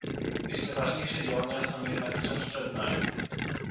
Jeszcze ważniejsze działania są jednak wciąż przed nami